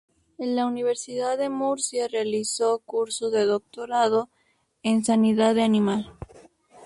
En la Universidad de Murcia realizó cursos de doctorado en Sanidad de Animal.